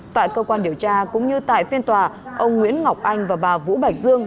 tại cơ quan điều tra cũng như tại phiên tòa ông nguyễn ngọc anh và bà vũ bạch dương